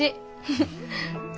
フフッ。